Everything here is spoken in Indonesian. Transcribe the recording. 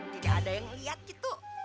tidak ada yang lihat gitu